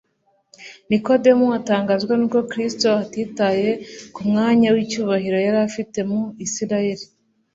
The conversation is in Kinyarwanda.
Nikodemu atangazwa nuko Kristo atitaye ku mwanya w'icyubaho yari afite mu Isiraeli.